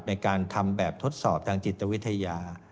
ในการทำแบบทดสอบทางจิตวิทยา